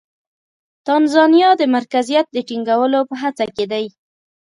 تانزانیا د مرکزیت د ټینګولو په هڅه کې دی.